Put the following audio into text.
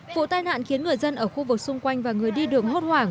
vụ tai nạn khiến người dân ở khu vực xung quanh và người đi đường hốt hoảng